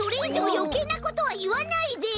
よけいなことはいわないで！